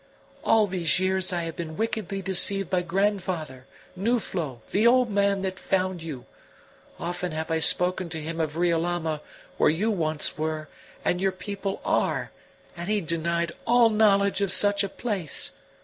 "All these years I have been wickedly deceived by grandfather Nuflo the old man that found you. Often have I spoken to him of Riolama, where you once were, and your people are, and he denied all knowledge of such a place.